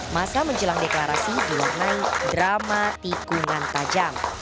masa menjelang deklarasi diwarnai drama tikungan tajam